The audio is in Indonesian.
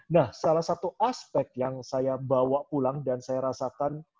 nah salah satu aspek yang saya bawa pulang dan saya rasakan